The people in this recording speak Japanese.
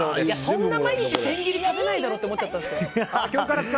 そんな毎日千切りしないだろうって思っちゃった。